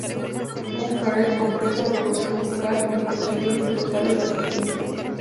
Kuk Harrell completó la producción vocal, mientras que Jennifer Rosales la asistió.